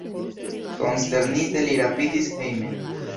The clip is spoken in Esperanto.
Konsternite li rapidis hejmen.